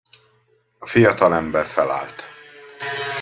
A fiatalember felállt.